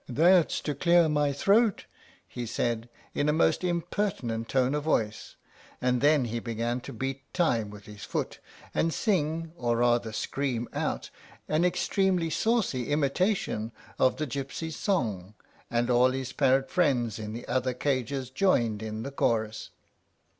"That's to clear my throat," he said, in a most impertinent tone of voice; and then he began to beat time with his foot, and sing, or rather scream out, an extremely saucy imitation of the gypsy's song, and all his parrot friends in the other cages joined in the chorus.